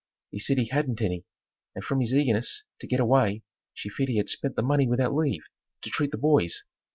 He said he hadn't any and from his eagerness to get away she feared he had spent the money without leave, to treat the boys.